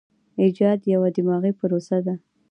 ایجاد یوه دماغي پروسه ده.